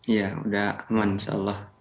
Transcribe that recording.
ya udah aman insya allah